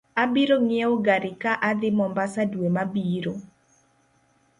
Abiro nyieo gari ka adhi mombasa dwe ma biro